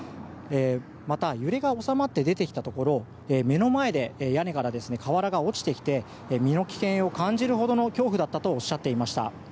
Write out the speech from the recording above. また、揺れが収まって出てきたところ目の前で屋根から瓦が落ちてきて身の危険を感じるほどの恐怖だったとおっしゃっていました。